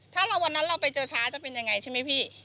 ถ้าวันนั้นเราไปเจอช้าจะเป็นยังไงใช่ไหมพี่